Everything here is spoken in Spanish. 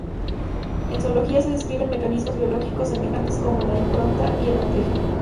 En zoología se describen mecanismos biológicos semejantes, como la impronta y el apego.